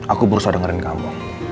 aku berusaha dengerin kamu